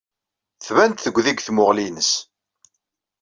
Tban-d tugdi deg tmuɣli-nnes.